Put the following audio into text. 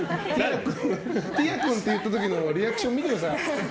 ティア君って言った時のリアクション見てください。